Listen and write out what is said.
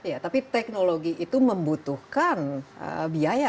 ya tapi teknologi itu membutuhkan biaya